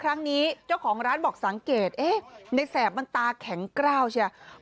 ครั้งนี้เจ้าของร้านบอกสังเกตในแสบมันตาแข็งกล้าวเชียว